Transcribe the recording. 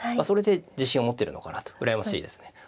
それで自信を持っているのかなと羨ましいですね。